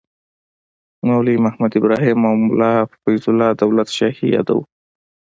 مولوي محمد ابراهیم او ملا فیض الله دولت شاهي یادوو.